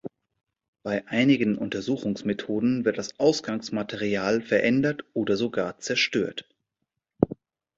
Bei einigen Untersuchungsmethoden wird das Ausgangsmaterial verändert oder sogar zerstört.